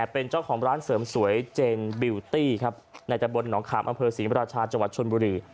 เป็นเจ้าของร้านเสริมสวยเจนบิวตี้ครับในตะบนหนองขามอำเภอศรีมราชาจังหวัดชนบุรี